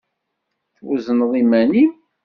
Twezneḍ iman-im?